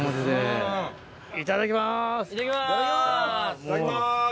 いただきます！